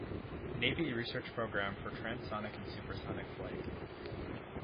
Navy research program for transonic and supersonic flight.